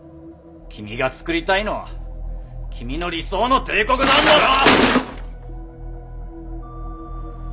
君が創りたいのは君の理想の帝国なんだろ！